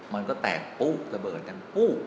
มันก็แตกปุ๊บสะเบิดกัน